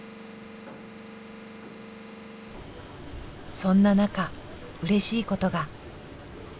そんな中うれしいことが。